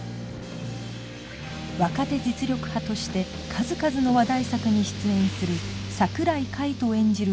若手実力派として数々の話題作に出演する櫻井海音演じる